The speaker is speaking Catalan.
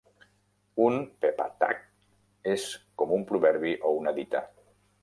Un "Pepatah" és com un "proverbi" o una "dita".